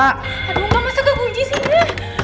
aduh gak masuk kekunci sih ini